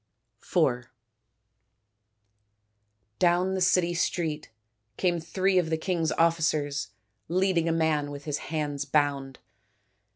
IV Down the city street came three of the king's officers leading a man with his hands bound.